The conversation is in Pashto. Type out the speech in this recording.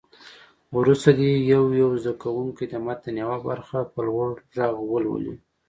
وروسته دې یو یو زده کوونکی د متن یوه برخه په لوړ غږ ولولي.